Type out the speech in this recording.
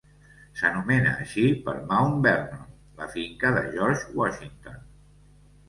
S'anomena així per Mount Vernon, la finca de George Washington.